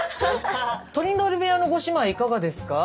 トリンドル部屋のご姉妹いかがですか？